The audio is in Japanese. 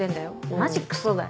マジクソだよ。